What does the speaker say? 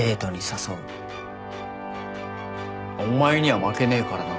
お前には負けねえからな。